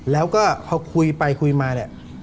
แล้วก็พอคุยไปคุยมาเนี่ย